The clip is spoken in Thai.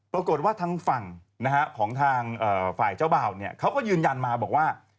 ปรากฏว่าทางฝั่งของทางฝ่ายเจ้าบ่าวเขาก็ยืนยันมาบอกว่า